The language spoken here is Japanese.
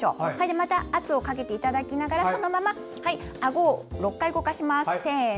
また圧をかけていただきながらあごを６回動かします。